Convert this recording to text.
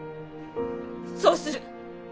そうする。